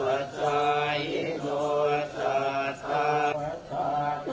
นักโมทรัพย์ภักวะโตอาระโตสัมมาสัมพุทธศาสตร์